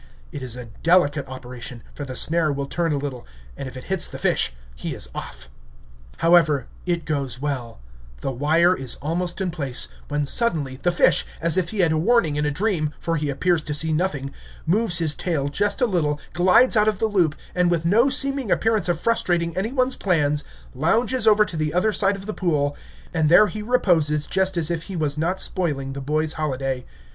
It is a delicate operation, for the snare will turn a little, and if it hits the fish, he is off. However, it goes well; the wire is almost in place, when suddenly the fish, as if he had a warning in a dream, for he appears to see nothing, moves his tail just a little, glides out of the loop, and with no seeming appearance of frustrating any one's plans, lounges over to the other side of the pool; and there he reposes just as if he was not spoiling the boy's holiday.